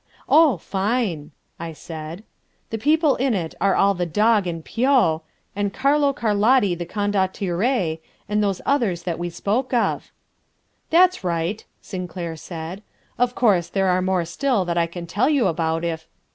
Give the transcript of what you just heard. "Oh, fine!" I said. "The people in it are the Dog and Pio, and Carlo Carlotti the Condottiere, and those others that we spoke of." "That's right," Sinclair said. "Of course, there are more still that I can tell you about if...."